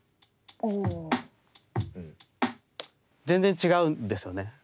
全然違うんですよね。